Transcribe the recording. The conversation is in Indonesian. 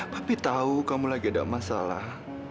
tapi tahu kamu lagi ada masalah